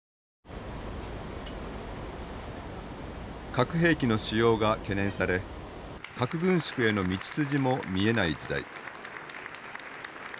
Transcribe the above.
核兵器の使用が懸念され核軍縮への道筋も見えない時代。